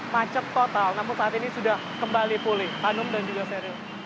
pihak kepolisian pun juga saat ini belum bisa melalui hanum dan juga seril